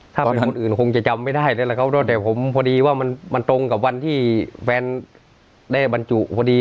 ถ้าเป็นคนอื่นคงจะจำไม่ได้แล้วแหละครับแล้วแต่ผมพอดีว่ามันตรงกับวันที่แฟนได้บรรจุพอดี